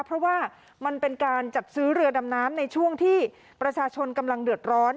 เพราะว่ามันเป็นการจัดซื้อเรือดำน้ำในช่วงที่ประชาชนกำลังเดือดร้อน